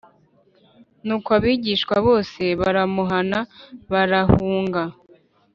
Nuko abigishwa bose baramuhana, barahunga.